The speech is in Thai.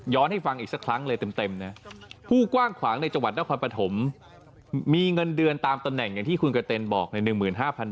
ย้อนให้ฟังอีกสักครั้งเลยเต็ม